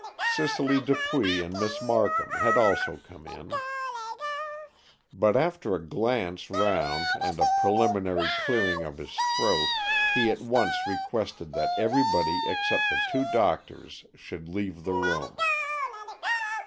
Cicely Dupuy and Miss Markham had also come in. But after a glance round and a preliminary clearing of his throat, he at once requested that everybody except the two doctors should leave the room.